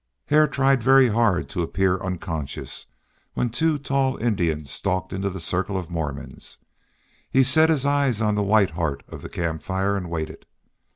Hare tried very hard to appear unconscious when two tall Indians stalked into the circle of Mormons; he set his eyes on the white heart of the camp fire and waited.